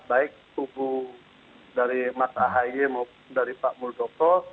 baik tubuh dari mas ahaye maupun dari pak muldoko